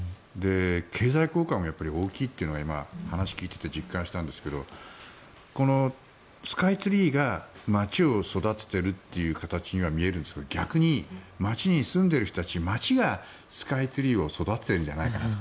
経済効果も大きいというのも話を聞いていて実感したんですがこのスカイツリーが街を育てているという形には見えるんですが逆に街に住んでいる人たち街がスカイツリーを育てているんじゃないかなと。